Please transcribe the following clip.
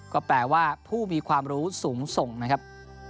ก็แปลว่าผู้มีความรู้สูงส่งนะครับ